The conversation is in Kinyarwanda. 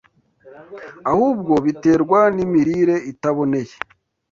ahubwo biterwa n’imirire itaboneye